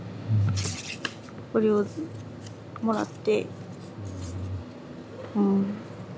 これをもらってうん。